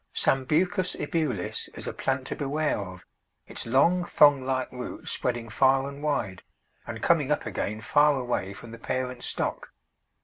Sambucus ebulis is a plant to beware of, its long thong like roots spreading far and wide, and coming up again far away from the parent stock.